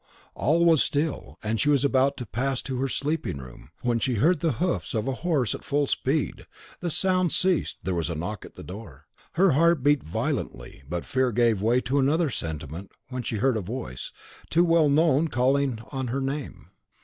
All was still, and she was about to pass to her sleeping room, when she heard the hoofs of a horse at full speed; the sound ceased, there was a knock at the door. Her heart beat violently; but fear gave way to another sentiment when she heard a voice, too well known, calling on her name.